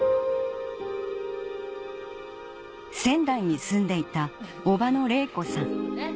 仙台に住んでいた伯母の玲子さん